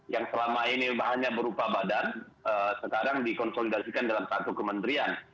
yang selama ini bahannya berupa badan sekarang dikonsolidasikan dalam satu kementerian